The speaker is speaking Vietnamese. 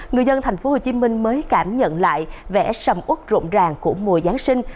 người dân thành phố hồ chí minh mới cảm nhận lại vẻ sầm út rộn ràng của mùa giáng sinh